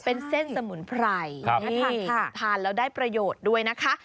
เป็นเส้นสมุนไพรทานทานแล้วได้ประโยชน์ด้วยนะคะ